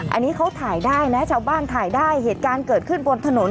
อันนี้เขาถ่ายได้นะชาวบ้านถ่ายได้เหตุการณ์เกิดขึ้นบนถนน